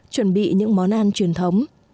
chuẩn bị những món ăn truyền thống